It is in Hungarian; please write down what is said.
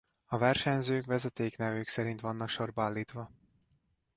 A versenyzők vezetéknevük szerint vannak sorba állítva.